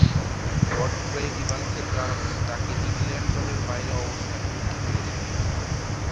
Godfrey ইভান্সের কারণে তাকে ইংল্যান্ড দলের বাইরে অবস্থান করতে হয়েছে।